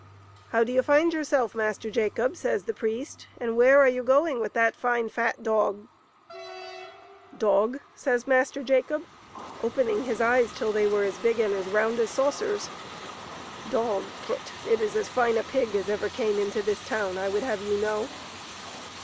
" How do you find yourself, Master Jacob ?" says the priest, " and where are you going with that fine, fat dog ?"" Dog !" says Master Jacob, opening his eyes till they were as big and as round as saucers. '' Dog ! Prut ! It is as fine a pig as ever came into this town, I would have you know."